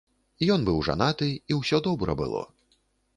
Ён быў жанаты і ўсё добра было.